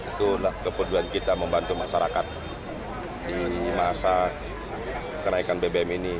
itulah kepedulian kita membantu masyarakat di masa kenaikan bbm ini